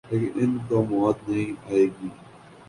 لیکن ان کوموت نہیں آئے گی